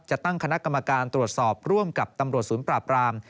จะตั้งคณะกรรมการตรวจสอบร่วมกับตำรวจศูนย์ปราบราม